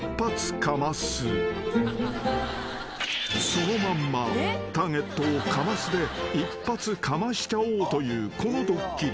［そのまんまターゲットをカマスで一発かましちゃおうというこのドッキリ］